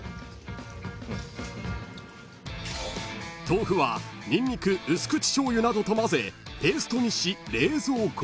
［豆腐はニンニク薄口しょうゆなどと混ぜペーストにし冷蔵庫へ］